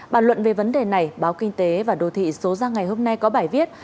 bàn luận về vấn đề này báo kinh tế và đô thị số ra ngày hôm nay có bài viết